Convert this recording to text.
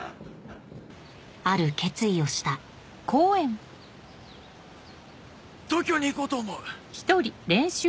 ある決意をした東京に行こうと思う。